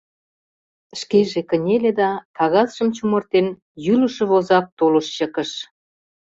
Шкеже кынеле да, кагазшым чумыртен, йӱлышӧ возак тулыш чыкыш.